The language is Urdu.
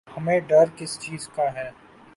ہمیں ڈر کس چیز کا ہے؟